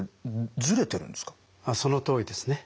そのとおりですね。